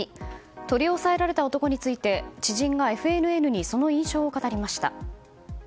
取り押さえられた男について知人がＦＮＮにその印象を語りました。